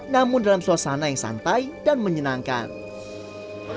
namun dalam suasana yang santai dan menyenangkan